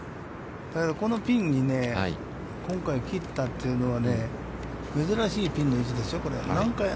このピンに今回切ったというのは、珍しいピンの位置ですよ、これ。